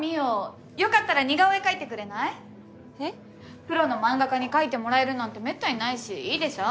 プロの漫画家に描いてもらえるなんてめったにないしいいでしょ？